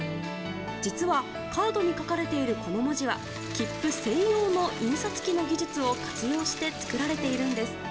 実は、カードに書かれているこの文字は切符専用の印刷機の技術を活用して作られているんです。